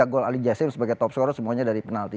tiga gol ali yassim sebagai top scorer semuanya dari penalti